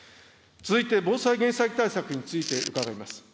続いて防災・減災対策について伺います。